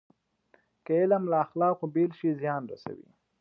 که علم له اخلاقو بېل شي، زیان رسوي.